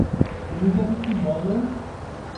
তুমি জানি কী বলো?